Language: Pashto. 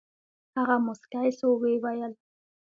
هغه موسكى سو ويې ويل.